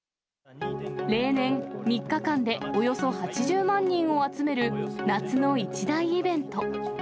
例年、３日間でおよそ８０万人を集める夏の一大イベント。